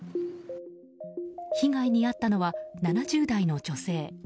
被害に遭ったのは７０代の女性。